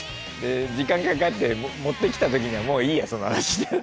時間かかって持ってきたときには「もういいやその話」だって。